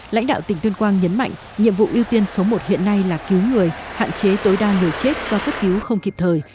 lãnh đạo tỉnh tuyên quang nhấn mạnh nhiệm vụ ưu tiên số một hiện nay là cứu người hạn chế tối đa người chết do cấp cứu không kịp thời